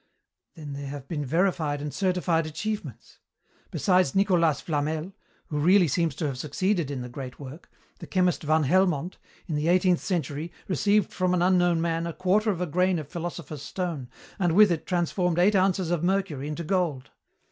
Then there have been verified and certified achievements. Besides Nicolas Flamel, who really seems to have succeeded in the 'great work,' the chemist Van Helmont, in the eighteenth century, received from an unknown man a quarter of a grain of philosopher's stone and with it transformed eight ounces of mercury into gold.